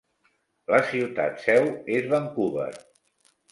La ciutat Seu és Vancouver.